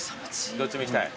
どっちもいきたい？